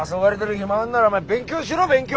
暇あんなら勉強しろ勉強！